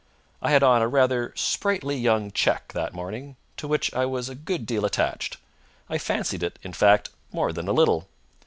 I had on a rather sprightly young check that morning, to which I was a good deal attached; I fancied it, in fact, more than a little.